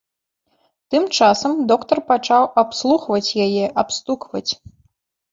Тым часам доктар пачаў абслухваць яе, абстукваць.